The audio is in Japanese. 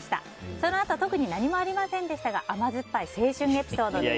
そのあと特に何もありませんでしたが甘酸っぱい青春エピソードです。